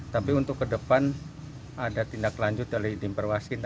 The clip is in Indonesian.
karena keterbatasan anggaran